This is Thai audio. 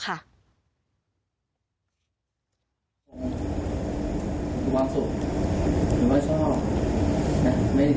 คุณความสุขคุณความชอบ